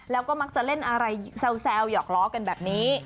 แล้วก็มักจะเล่นอะไรแซวหยอกล้อกันแบบนี้